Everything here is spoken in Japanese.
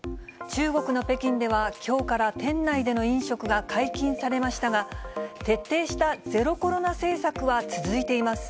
中国の北京では、きょうから店内での飲食が解禁されましたが、徹底したゼロコロナ政策は続いています。